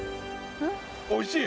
おいしい！